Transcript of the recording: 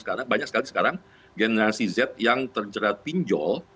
karena banyak sekali sekarang generasi z yang terjerat pinjol